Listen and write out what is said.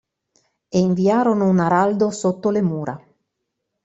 E inviarono un araldo sotto le mura.